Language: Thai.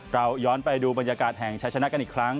เราย้อนไปดูบรรยากาศแห่งชัยชนะกันอีกครั้ง